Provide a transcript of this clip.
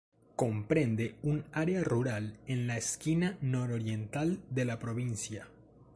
Comprende un área rural en la esquina nororiental de la provincia.